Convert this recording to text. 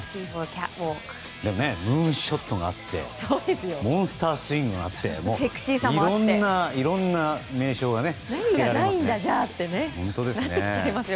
でも、ムーンショットがあってモンスタースイングがあっていろんな名称がつけられますね。